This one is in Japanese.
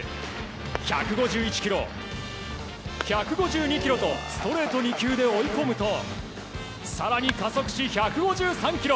１５１キロ、１５２キロとストレート２球で追い込むと更に加速し１５３キロ。